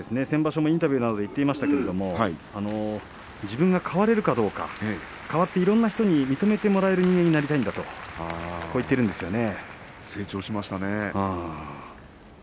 阿炎がインタビューで言っていましたけれど自分が変われるかどうか変わって、いろんな人に認めてもらえる人間になりたいんだと成長しましたね。